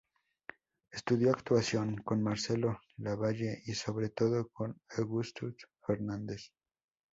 Estudió actuación con Marcelo Lavalle y, sobre todo, con Augusto Fernandes.